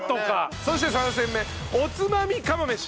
そして３戦目おつまみ釜飯。